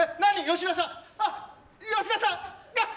吉田さーん！